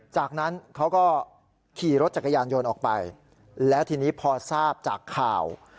จากนั้นเขาก็ขี่รถจักรยานยนต์ออกไปแล้วทีนี้พอทราบจากข่าว